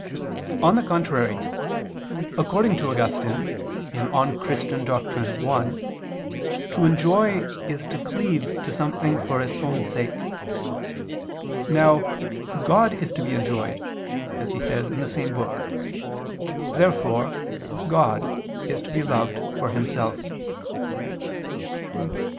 On the contrary, According to Augustine (De Doctr. Christ. i), to enjoy is to cleave to something for its own sake. Now "God is to be enjoyed" as he says in the same book. Therefore God is to be loved for Himself.